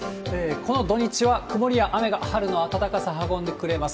この土日は曇りや雨が春の暖かさ運んでくれます。